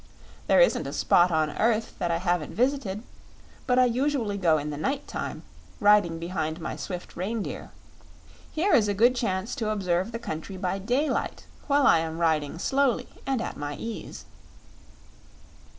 There isn't a spot on earth that I haven't visited, but I usually go in the night time, riding behind my swift reindeer. Here is a good chance to observe the country by daylight, while I am riding slowly and at my ease."